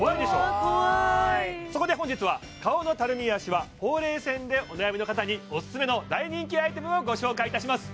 あ怖いそこで本日は顔のたるみやシワほうれい線でお悩みの方にオススメの大人気アイテムをご紹介いたします